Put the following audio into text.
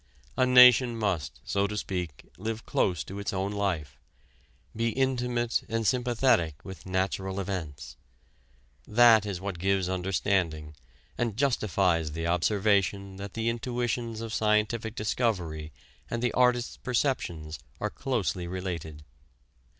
A nation must, so to speak, live close to its own life, be intimate and sympathetic with natural events. That is what gives understanding, and justifies the observation that the intuitions of scientific discovery and the artist's perceptions are closely related.